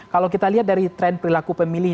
kalau kita lihat dari tren perilaku pemilih